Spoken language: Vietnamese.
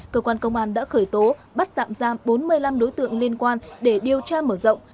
cơ quan công an đã khởi tố bắt tạm giam bốn mươi năm đối tượng liên quan để điều tra mở rộng